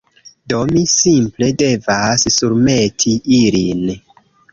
Do, mi simple devas surmeti ilin